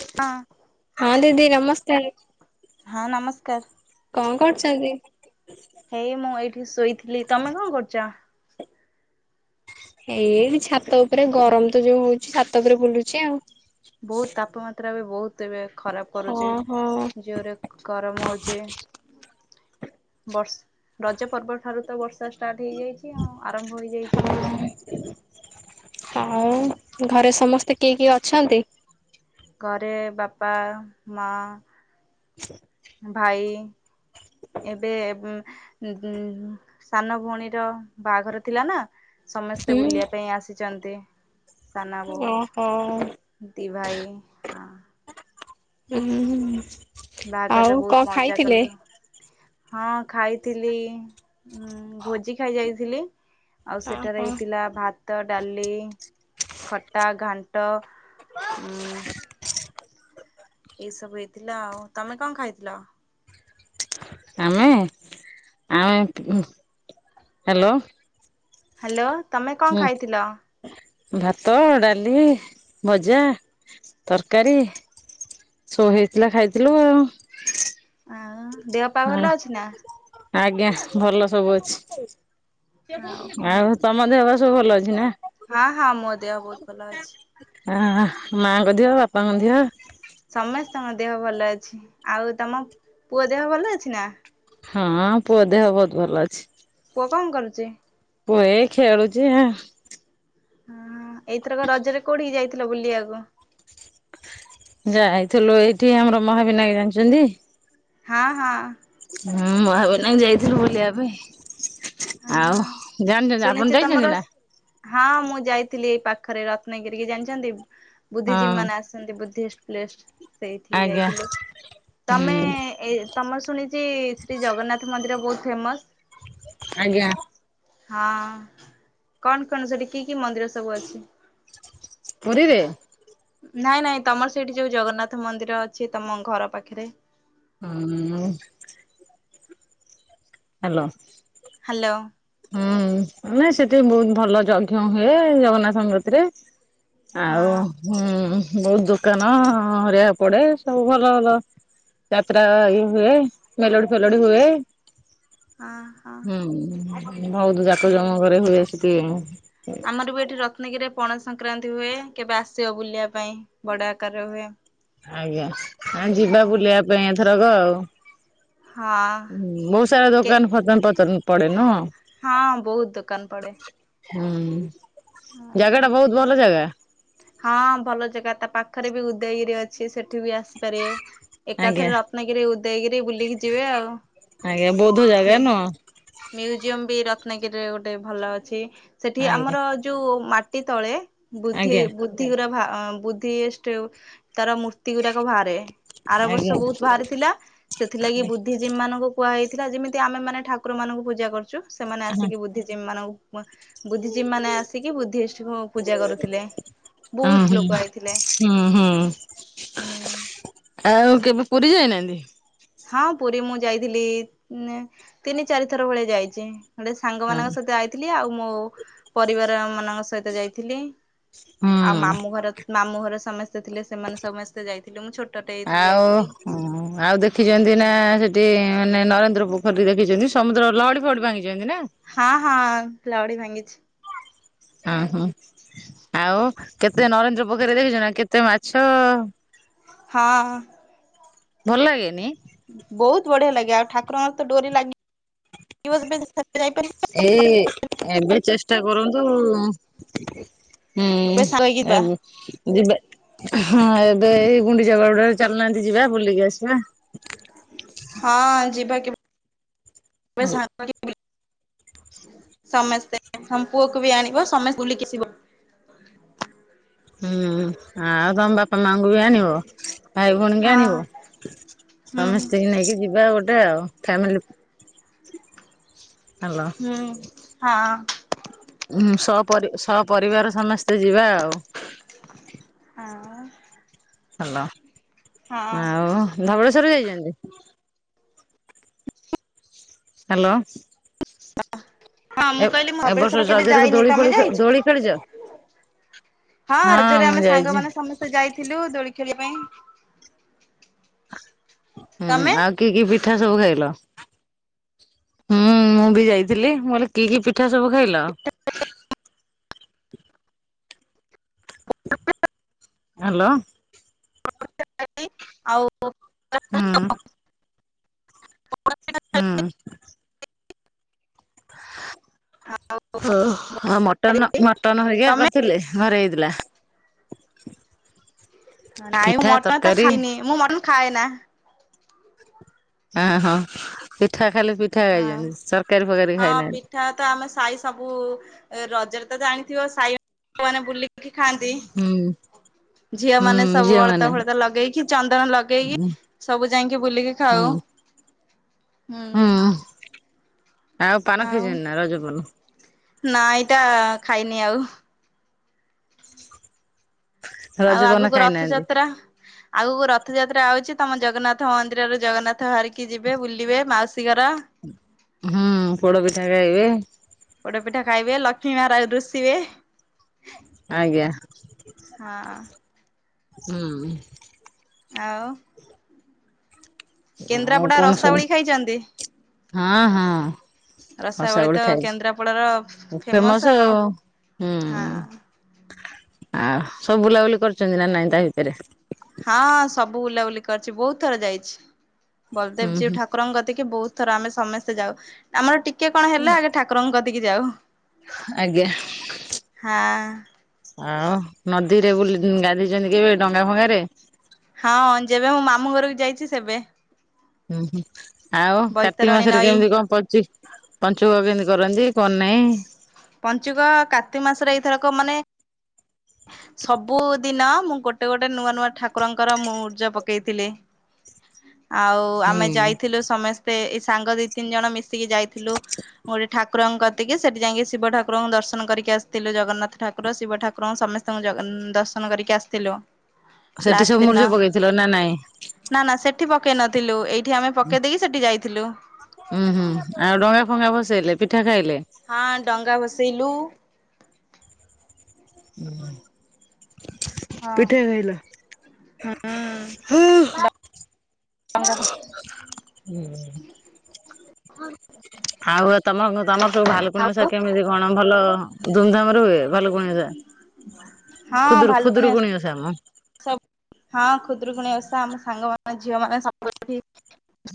ହଁ। ହଁ ଦିଦି ନମସକ୍କାର। ହଁ ନମସ୍କାର। କଣ କରୁଛନ୍ତି? ଏଇ ମୁଁ ଏଇଠି ଶୋଇଥିଲି। ତମେ କଣ କରୁଛ? ଏଇ ଛାତ ଉପରେ ଗରମ ତ ଯୋଉ ହଉଛି ଛାତ ଉପରେ ବୁଲୁଛି ଆଉ। ବହୁତ ତାପମାତ୍ରା ବି ବହୁତ ଏବେ ଖରାପ କରୁଛି ଓହୋ ଜୋର୍ ଗରମ ହଉଚେ ବର୍ଷ ରଜ ପର୍ବ ଠାରୁ ତ ବର୍ଷା ଷ୍ଟାର୍ଟ ହେଇଯାଇଚି ଆଉ ଆରମ୍ଭ ହେଇଯାଇଛି ବର୍ଷା। ଆଉ ଘରେ ସମସ୍ତେ କିଏ କିଏ ଅଛନ୍ତି? ଘରେ ବାପା ମା ଆଛା। ଭାଇ ଏବେ ଉଁ ସାନ ଭଉଣୀର ବାହାଘର ଥିଲା ନା ସମସ୍ତେ ହୁଁ ବୁଲିବା ପାଇଁ ଆସି ଅଛନ୍ତି ସାନ ଓହୋ ବୋଉ ଦି ଭାଇ ହୁଁ ହୁଁ। ବାହାଘରରେ ବହୁତ ମଜା କଲୁ। ହଁ ଖାଇଥିଲି ଭୋଜି ଖାଇ ଯାଇଥିଲି। ଆଉ ସେଠାରେ ଓହୋ। ହେଇଥିଲା ଭାତ ଭାତ ଡାଲି ଖଟା ଘାଣ୍ଟ ଉଁ ଏଇ ସବୁ ହେଇଥିଲା ଆଉ ତମେ କଅଁ ଖାଇଥିଲ? ଆମେ ଆମେ ହ୍ୟାଲୋ। ହ୍ୟାଲୋ ତମେ କି ଅଁ ହୁଁ ଖାଇଥିଲ? ଭାତ ଡାଲି ଭଜା ତରକାରୀ ସୋ ହେଇଥିଲା ଖାଇଥିଲୁ ଆଉ। ଆଉ ଦେହ ପା ଭଲ ଅଛି ନା? ଆଜ୍ଞା ଭଲ ସବୁ ଅଛି ଆଉ ତମ ଦେେହବା ସବୁ ଭଲ ଅଛି ନା ହଁ ହଁ ମୋ ଦେହ ବହୁତ ଭଲ ଅଛି। ଆ ମାଙ୍କ ଦିହ ବାପାଙ୍କ ଦିଦ। ସମସ୍ତଙ୍କ ଦେହ ଭଲ ଅଛି ଆଉ ତମ ପୁଅ ଦେହ ଭଲଅଛି ନା? ହଁ ପୁଅ ଦେହ ବହୁତ ଭଲ ଅଛି। ପୁଅ କଅଁ କରୁଚି। ପୁ ଏ ଖେଳୁଚି ଆଁ। ହଁ ଏଇଥରକ ରଜରେ କୋଉଠିିକି ଯାଇଥିଲ ବୁଲିବାକୁ? ଯାଇଥିଲୁ ଏଇଠି ଆମର ମହାବିନାୟକ ଜାଣିବନ୍ତି। ହଁ ହଁ। ହୁଁ ମହାବିନାକ ଯାଇଥିଲୁ ବୁଲିବା ପାଇଁ ଆଉ ହଁ ଜାଣିଛନ୍ତି ଆପଣ ଶୁଣିଛି ତମର ଯାଇଛନ୍ତି ନା? ହଁ ମୁଁ ଯାଇଥିଲି ଏଇ ପାଖରେ ରତ୍ନଗିରି କି ଜାକିଛନ୍ତି। ବୁଦ୍ଧିଜୀ ହଁ ମାନେ ଆସିଚନ୍ତି ବୁଦ୍ଧି ପ୍ଳେଷ୍ଟ ସେଇଠିକି ଆଜ୍ଞା ଯାଇଥିଲୁ ତମେ ହୁଁ ଏ ତମର ଶୁଣିଛି ଶ୍ରୀ ଜଗନ୍ନାଥ ମନ୍ଦିର ବହୁତ ଫେମସ ଆଜ୍ଞା। ହଁ କଣ କଣ ସେଠି କି କି ମନ୍ଦିର ସବୁ ଅଛି? ପୁରୀରେ। ନାଇଁ ନାଇଁ ତମର ସେଇଠି ଯଉ ଜଗନ୍ନାଥ ମନ୍ଦିର ଅଛି ତମ ଘର ପାଖରେ। ଆଉଁ। ହାଲ।। ହାଲ।। ହୁଁ ମାନେ ସେଠି ବହୁତ ଭଲ ଯଜ୍ଞ ହୁଏ ଜଗନ୍ନାଥ‌ଙ୍କ କତିରେ। ହଁ ଆଉହୁଁ ବହୁତ ଦୋକାନ ହେରୀକା ପଡେ ସବୁ ଭଲ ଭଲ। ଯାତ୍ରା ଇଏ ହୁଏ ମେଲୋଡି ଫେଲୋଡି ହୁଏ। ହଁ ହଁ। ହୁଁ ବହୁତୁ ଜାକ ଜମକରେ ହୁଏ ସେଠି। ଆମର ବି ଏଠି ରତ୍ନଗିରିରେ ପଣା ସଂକ୍ରାନ୍ତି ହୁଏ କେବେ ଆସିବ ବୁଲିବା ପାଇଁ ବଡ ଆକାରରେ ହୁଏ। ଆଜ୍ଞା, ଆ ଯିବା ହଁ ବୁଲିବା ପାଇଁ ଏଥରକ ଆଉ। ହଁ। ହୁଁ ବହୁତ ସାରା କେ ଦୋକାନ ଫତନ ପତନ ପଡେ ନୁହଁ? ହଁ ବହୁତ ଦୋକାନ ପଡେ। ହୁଁ ଜାଗା ଟା ବହୁତ ଭଲ ଜାଗା। ହଁ ଭଲ ଜାଗା ତା ପାଖରେ ବି ଉଦୟଗିରି ଅଛି ସେଠି ବି ଆସିପାରିବେ। ଏକାଥରେ ଆଜ୍ଞା ରତ୍ନଗିରି ଉଦୟଗିରି ବୁଲିକି ଯିବେ ଆଉ। ଆଜ୍ଞା ବୌଦ୍ଧ ଜାଗା ନୁହଁ ମ୍ୟୁଜିୟମ ବି ରତ୍ନଗିରିରେ ଗୋଟେ ଭଲ ଅଛି, ସେଠି ଆଜ୍ଞା ଆମର ଯୋଉ ମାଟି ତଳେ ବୁଦ୍ଧି ଆଜ୍ଞା ବୁ ବୁଦ୍ଧି ଗୁରା ବୁଦ୍ଧିଇଷ୍ଟି ତାର ମୂର୍ତ୍ତି ଗୁରାକ ଭାରେ। ଆର ଆଜ୍ଞା। ବର୍ଷ ହୁଁ ବହୁତ ବାହାରି ଥିଲା, ସେଥିଲାଗି ବୁଦ୍ଧି ଜିମାନଙ୍କୁ କୁହାହେଇଥିଲା ଯେମିତି ଆମେ ମାନେ ଠାକୁରମାନଙ୍କୁ ପୂଜା କରୁଚୁ ସେମାନେ ଆସିକି ବୁଦ୍ଧିଜୀବୀ ମାନଙ୍କୁ ବୁଦ୍ଧିଜୀବୀ ମାନେ ଆସିକି ବୁଦ୍ଧିଇଷ୍ଟି ଙ୍କୁ ପୂଜା କରୁଥିଲେ। ହଁ ବହୁତ ଲୋକ ଆଇଥିଲେ ହୁଁ ହୁଁ। ହୁଁ। ଆଉ କେବେ ପୁରୀ ଯାଇନାହାନ୍ତି? ହଁ ପୁରୀ ମୁଁ ଯାଇଥିଲି ତିନି ଚାରି ଥର ଭଳିଆ ଯାଇଚି। ସାଙ୍ଗ ହଁ। ମାନଙ୍କ ସହିତ ଆଇଥିଲି ଆଉ ମୋ ପରିବାର ମାନଙ୍କ ସହିତ ଯାଇଥିଲି। ହୁଁ। ମାମୁ ଘର ମାମୁଁ ଘର ସମସ୍ତେ ଥିଲେ ସେମାନେ ସମସ୍ତେ ଯାଇଥିଲେ ମୁଁ ଛୋ ଆଉ। [inaudible] ଆଉ ଦେଖିଛନ୍ତି ନା ସେଠି ମାନେ ନରେନ୍ଦ୍ର ପୋଖରୀ ଦେଖିଛନ୍ତି ସମୁଦ୍ର ଲହଡି ଫହଡି ଭାଙ୍ଗିଛନ୍ତି ନା? ହଁ ହଁ ଲହଡ଼ି ଭାଙ୍ଗିଚି। ଅ ହୋ ଆଉ କେତେ ନରେନ୍ଦ୍ର ପୋଖରୀ ରେ ଦେଖିଚ ନା କେତେ ମାଛ? ହଁ। ଭଲ ଲାଗେନି? ବହୁତ ବଢିଆ ଲାଗେ ଆଉ ଠାକୁରଙ୍କର ତ ଡୋରି ଲାଗିବ ଯେବେ ସେବେ ଯାଇପାରିବେ। ଏ ଏବେ ଚେଷ୍ଟା କରନ୍ତୁ। କେବେ ହୁଁ ସାଙ୍ଗ ହେଇକି ଯିବା ଏ ଯିବା ହଁ ଏବେ ଏଇ ଗୁଣ୍ଡିଚା ବାହୁଡା ରେ ଚାଲୁ ନାହାନ୍ତି ଯିବା ବୁଲିକି ଆସିବା। ହଁ ଯିବା କେ [unintelligible] ସମସ୍ତେ ତମ୍ ପୁଅକୁ ବି ଆଣିବ ସମେ ବୁଲିକି ଆସିବ। ହୁଁ, ଆଉ ତମ ବାପା ମାଙ୍କୁ ବି ଆଣିବ ଭାଇ ଭଉଣୀ କି ଆଣିବ। ହଁ ହୁଁ ସମିସ୍ତିଙ୍କି ନେଇକି ଯିବା ଗୋଟେ ଆଉ ଫ୍ୟାମିଲି ହାଲୋ ହୁଁ ହଁ। ହୁଁ ସପ ସ ପରରିବାର ସମସ୍ତେ ଯିବା ଆଉ। ହଁ। ହାଲ ହଁ ଆଉ ଧବଳେଶ୍ଵର ଯାଇଛନ୍ତି? ହାଲୋ। ହଁ ମୁଁ କହିଲି ଏ ବର୍ଷ ଧବଳେଶ୍ଵର କେବେ ରଜରେ ଯାଇନି ଦୋଳି ତମେ ଫୋଳି ଯାଇଚ? ଦୋଳି ଖେଳିଛ? ହଁ ରଜରେ ମୁଁ ଆମେ ଯାଇଛି। ସାଙ୍ଗମାନେ ସମସ୍ତେ ଯାଇଥିଲୁ ଦୋଳି ଖେଳିବା ପାଇଁ। ହୁଁ ତମେ? ଆଉ କି କି ପିଠା ସବୁ ଖାଇଲ? ହୁଁ ମୁଁ ବି ଯାଇଥିଲି ମୁଁ କହିଲି କି କି ପିଠା ସବୁ ଖାଇଲ? ହାଲୋ। ଆଉ ହୁଁ ଉଁ। ହୁଁ ଉଁ। ଓଉ ମଟନ ମଟନ ହେରିକା ତମେ କରିଥିଲେ ଘରେ ହେଇଥିଲା। ନାଇଁ ମୁଁ ପିଠା ମଟନ ତ ତରକାରୀ ଖାଇନି ମୁଁ ମନ କୁ ଖାଏନା। ଆ ହଁ ପିଠା ଖାଇଲେ ପିଠା ହଁ। ଖାଇଛନ୍ତି ତରକାରୀ ଫରକାରୀ ହଁ ଖାଇନାହାନ୍ତି? ପିଠା ତ ଆମେ ସାହି ସବୁ ରଜରେ ତ ଜାଣିଥିବ ସାଇମାନେ ବୁଲିକିରି କି ଖାଆନ୍ତି। ହୁଁ ଉଁ। ଝିଅ ମାନେ ସବୁ ଅଳତା ଫଳତା ଲଗେଇକି ଚନ୍ଦନ ଲଗେଇକି ସବୁ ଯାଇକି ବୁଲିକି ଖାଉ ହୁଁ। ହୁଁ। ହୁଁ ଆଉ ପାନ ଖାଇଛନ୍ତି ନା ରଜ ପାନ? ନା ଏଇଟା ଖାଇନି ଆଉ। ଆଉ ରଜପାନ ଆଗକୁ ଖାଇନାହାନ୍ତି? ରଥଯାତ୍ରା। ଆଗକୁ ରଥଯାତ୍ରା ଆଉଛି ତମ ଜଗନ୍ନାଥ ମନ୍ଦିରରେ ଜଗନ୍ନାଥ ଧରିକି ଯିବେ ବୁଲିବେ ମାଉସୀ ଘର ହୁଁ ପୋଡ ପିଠା ଖାଇବେ ପୋଡ ପିଠା ଖାଇବେ ଲକ୍ଷ୍ମୀ ମହାରାଜ ଋଷିବେ ଆଜ୍ଞା ହଁ ହୁଁ। ଆଉ। ଆଉ କେନ୍ଦ୍ରାପଡା କଣ ସବୁ ରସାବଳି ଖାଇଛନ୍ତି ହଁ ହଁ। ତ ରସାବଳି କେନ୍ଦ୍ରାପଡାର ଖାଇଛି ଫେମସ ଆଉ ହୁଁ। ହଁ ଆ ସବୁ ବୁଲାବୁଲି କରୁଛନ୍ତି ନାଁ ନାଇଁ ତା ଭିତରେ? ହଁ ସବୁ ବୁଲାବୁଲି କରିଛି ବହୁତ ଥର ଯାଇଛି ହୁଁ ବଲଦେବ ଜୀଉ ଠାକୁ ହୁଁ ଠାକୁରଙ୍କ କତିକି ବହୁତ ଥର ଆମେ ସମସ୍ତେ ଯାଉ ଆମର ଟିକେ କଣ ହେଲା ଆଗେ ଠାକୁରଙ୍କ କତିକି ଯାଉ। ଆଜ୍ଞା। ହଁ ଆଉ ନଦୀରେ ବୁଲିକିନି ଗାଧୋଇଛନ୍ତି କେବେ ଡଙ୍ଗା ଫଙ୍ଗାରେ? ହଁ ଯେବେ ମୁଁ ମାମୁଁ ଘରକୁ ଯାଇଛି ସେବେ। ହୁଁ ହୁଁ ଆଉ କାର୍ତ୍ତିକ ବୈତରଣୀ ମାସରେ ନଈ କେମିତି କଣ ପଡଚି ପଞ୍ଚୁକ କେମିତି କରନ୍ତି? କନାଁଇ ପଞ୍ଚୁକ କାର୍ତ୍ତିକ ମାସରେ ଏଇଥରକ ମାନେ ସବୁଦିନ ମୁଁ ଗୋଟେ ଗୋଟେ ନୂଆ ନୂଆ ଠାକୁରଙ୍କର ମୁଁ ମୁରୁଜ ପକେଇଥିଲି। ଆଉ ଆମେ ହୁଁ। ଯାଇଥିଲୁ ସମେସ ମତେ ଏଇ ସାଙ୍ଗ ଦି ତିନି ଜଣ ମିଶିକି ଯାଇଥିଲୁ ଗୋଟେ ଠାକୁରଙ୍କ କତ ସେତିକି ସେଠି ଯାଇକି ଶିବ ଠାକୁରଙ୍କୁ ଦର୍ଶନ କରି ଆସିଥିଲୁ ଜଗନ୍ନାଥଠାକୁର ଶିବ ଠାକୁରଙ୍କୁ ସମସ୍ ପ୍ରଥମ ଜଗନ୍ ଦର୍ଶନ କରିକି ଆସିଥିଲୁ। ସେଠି ଲାଷ୍ଟ ସବୁ ଦିନ ମୁରୁଜ ପକେଇଥିଲ ନା ନାଇଁ? ନା ନା ସେଠି ପକେଇ ନଥିଲୁ ଏଇଠି ଆମେ ପକେଇ ଦେଇକି ସେଠି ଯାଇଥିଲୁ। ଉୁଁ ହୁଁ ଆଉ ଡଙ୍ଗା ଫଙ୍ଗା ବସେଇଲେ ପିଠା ଖାଇଲେ? ହଁ ଡଙ୍ଗା ଭସେଇଲୁ। ଉଁ ହୁଁ। ହଁ ପିଠା ଖାଇଲା ହୁଁ। ହୋ। [unintelligible] ଉଁ ହୁଁ। ଆଉ ତମ ତମର ସବୁ ଭାଲୁକୁୁଣି ଓସା ଆଉ କେମିତି କଣ ଭଲ ଧୁମଧାମ ରେ ହୁଏ। ଭାଲୁକୁୁଣି ଓଷା? ହଁ ଖୁଦରୁ ଭାଲୁକୁଣି ଖୁଦରୁକୁୁଣ ଓଷା ମ ସବୁ ହଁ ଖୁଦରୁକୁଣ ଓଷା ଆମ ସାଙ୍ଗମାନୋନ ଝିଅ ମାନେ ସବୁଠି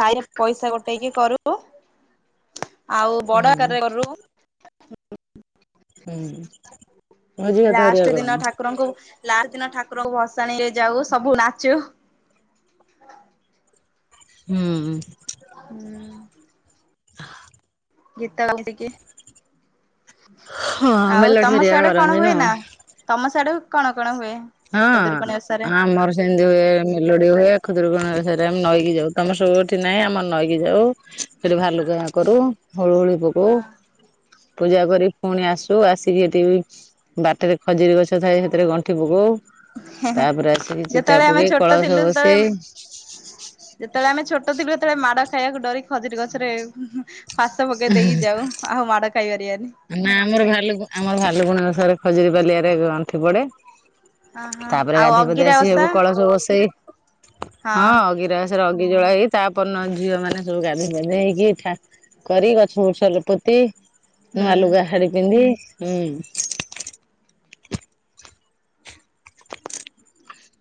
ସାଇ ପଇସା ଟେଇକି କରୁ ଆଉ ବଡ ହୁଁ ଆକାର ରେ କରୁ। ହୁଁ ଭୋଜି ଭାତ ହେରିକା ଲାଷ୍ଟ ଦିନ କରନ୍ତି। ଠାକୁରଙ୍କୁ ଲାଷ୍ଟ ଦିନ ଠାକୁର ଙ୍କ ଭସାଣି ରେ ଯାଉ ସବୁ ନାଚୁ। ହୁଁ। [unintelligible] [inaudible] ଗୀତ ଆଉ ମିଯିକି ହଁ ଆଉ ମେଲୋଡି ତମ ହେରିକା ସିଆଡେ କଣ କରନ୍ତି ହୁଏ ନୁହଁ ନା? ତମ ସିଆଡେ କଣ କଣ ହୁଏ? ହଁ ଖୁଦୁରୁକୁଣୀ ଓଷାରେ? ଆ ମର ସେମିତି ହୁଏ ମେଲୋଡି ହୁଏ। ଖୁଦୁରୁକୁଣୀ ଓଷା ଆମେ ନଈକି ଯାଉ ତମେ ସବୁଠି ନାହିଁ ଆମର ନଈକି ଯାଉ। ହେଠି ଭାଲୁକା କରୁ ହୁଳୁ ହୁଳୁ ପକଉ। ପୂଜା କରିକି ପୁଣି ଆସୁ ଆସିକି ଏଠି ବି ବାଟରେ ଖଜୁରୀ ଗଛ ଥାଏ ସେଥିରେ ଗଣ୍ଠି ପକଉ। ହେଁ ହେଁ ତାପରେ ଆସିକି ଚିତା ଯେତେବେଳେ ଆମେ ପକେଇ ଛୋଟ କଳସ ଥିଲୁ ସେତେବେଳେ ବସେଇ ଯେତେବେଳେ ଆମେ ଛୋଟ ଥିଲୁ ସେତେବେଳେ ମାଡ ଖାଇବାକୁ ଡରି ଖଜୁରୀ ଗଛରେ ଫାସ ପକେଇ ଦେଇକି ଯାଉ ଆଉ ମାଡ ଖାଇପାରିବନି। ନା ଆମର ଭାଲୁ ଆମର ଭାଲୁକୁଣି ଓଷା ରେ ଖଜୁରୀପାଲିଆରେ ଗଣ୍ଠି ପଡେ। ଅହ ତାପରେ ଆଉ ଗାଧୋଇ ପାଧେଇ ଅଗିରା ଆସି ସବୁ ଓଷା? କଳସବୁ ବସେଇ ହଁ ଅଗିରା ଥରେ ଅଗିଜଳ ହେଇ ତାପର ଦିନ ଝିଅ ମାନ ସବୁ ଗାଧୋଇଧ ପାଧେଇ ହେଇକି ଠା କରି ଗଛ ଫୁଛ ପୋତି ନୂଆ ହୁଁ ଲୁଗା ଶାଡି ପିନ୍ଧି ହୁଁ।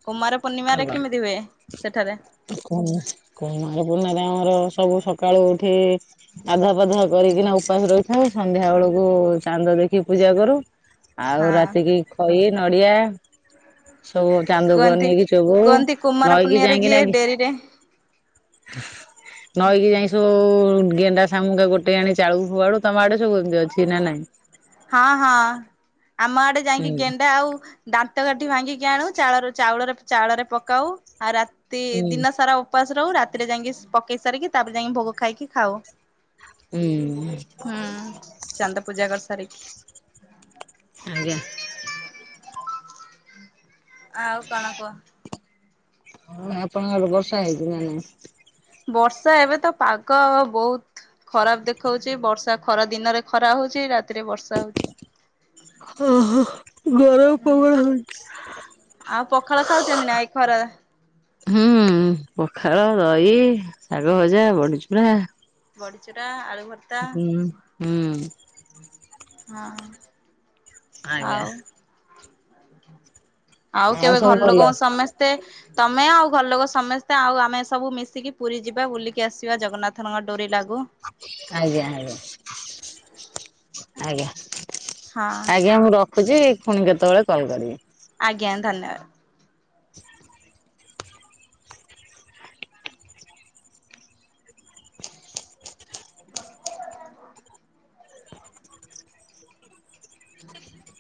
କୁମାର ପୂର୍ଣ୍ଣିମାରେ କେମିତି ହୁଏ ସେଠାରେ? କୁମା କୁମାର ପୂର୍ଣ୍ଣାମାରେ ଆମର ସବୁ ସକାଳୁ ଉଠି ଗାଧୁଆ ପାଧୁଆ କରିକିନା ଉପାସ ରହିଥାଉ ସନ୍ଧ୍ୟା ବେଳକୁ ଚାନ୍ଦ ଦେଖି ପୂଜା କରୁ। ଆଉ ହଁ ରାତିକି ଖଇ ନଡିଆ ସବୁ ଚାନ୍ଦକୁ କୁହନ୍ତି ଅନେଇକି ସବୁ କୁହନ୍ତି କୁମାର ନଈକି ପୂର୍ଣ୍ଣିମାରେ ଯାଇକି ଯିଏ ନା କି ଡେରିରେ ନଈକି ଯାଇ ସବୁ ଗେଣ୍ଡା ସାମୁକା ଗୋଟେଇ ଆଣି ଚାଳକୁ ଫୋପାଡୁ ତମ ଆଡେ ସବୁ ଏମିତି ଅଛି ନା ନାଇଁ? ହଁ ହଁ ଆମ ଆଡେ ଯାଇକି ହୁଁ। ଗେଣ୍ଡା ଆଉ ଦାନ୍ତ କାଠି ଭାଙ୍ଗିକି ଆଣୁ ଚାଳ ଚାଉଳରେ ଚାଉଳରେ ପକାଉ ଆଉ ରାତି ହୁଁ ଦିନ ସାରା ଉ ଉପାସ ରହୁ ରାତିରେ ଯାଇକି ପକେଇ ସାରିକି ତାପରେ ଯାଇକି ଭୋଗ ଖାଇକି ଖାଉ। ହୁଁ ହୁଁ ଚାନ୍ଦ ପୂଜା କରିସାରିକି। ଆଜ୍ଞା। ଆଉ କଣ କୁହ? ହଁ ଆପଣଙ୍କ ଆଡେ ବର୍ଷା ହେଇଛି ନା ନାଇଁ? ବର୍ଷା ଏବେ ତ ପାଗ ବହୁତ ଖରାପ ଦେଖଉଛି ବର୍ଷା ଖରା ଦିନରେ ଖରା ହଉଛି ରାତିରେ ବର୍ଷା ହଉଛି। ଓହୋ ଗରମ ହୁଁ ପବନ ହଉଛି। ଆଉ ପଖାଳ ଖାଉଛନ୍ତି ନା ଏ ଖରା ହୁଁ ପଖାଳ ଦହି ଶାଗ ଭଜା ବଡିଚୁୁରା। ବଡିଚୁରା ଆଳୁଭର୍ତ୍ତା ହୁଁ ହଁ। ଆଜ୍ଞା ଆଉ ଆଉ କେବେ ସବୁ ଘର ଭଲ ଲୋକଙ୍କୁ ସମସ୍ତେ ତମେ ଆଉ ଘର ଲୋକ ସମସ୍ତେ ଆଉ ଆମେ ସବୁ ମିଶିକି ପୁରୀ ଯିବା ବୁଲିକି ଆସିବା ଜଗନ୍ନାଥଙ୍କ ଡୋରି ଲାଗୁ। ଆଜ୍ଞା, ଆଜ୍ଞା, ଆଜ୍ଞା। ହଁ ଆଜ୍ଞା ମୁଁ ରଖୁଛି, ଫୁଣି କେତେବେଳେ କଲ୍ କରିବି। ଆଜ୍ଞା ଧନ୍ୟବାଦ। [inaudible] ହୁଁ [unintelligible]